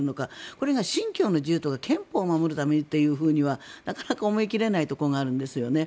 これが信教の自由とか憲法を守るためにというふうにはなかなか思い切れないところがあるんですよね。